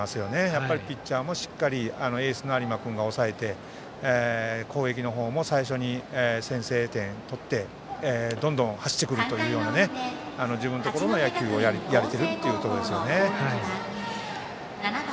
やっぱりピッチャーもしっかりとエースの有馬君が抑えて攻撃の方も最初に先制点を取ってどんどん走ってくる自分のところの野球をやれているということですね。